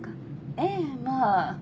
ええまぁ。